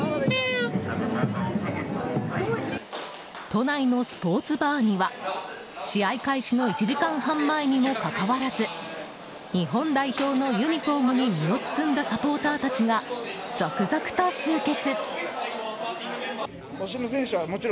都内のスポーツバーには試合開始の１時間半前にもかかわらず日本代表のユニホームに身を包んだサポーターたちが続々と集結。